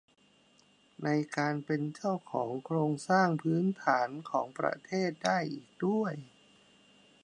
ในการเป็นเจ้าของโครงสร้างพื้นฐานของประเทศได้อีกด้วย